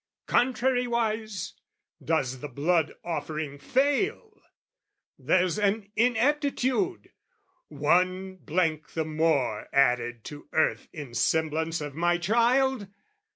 Contrariwise, does the blood offering fail? There's an ineptitude, one blank the more Added to earth in semblance of my child?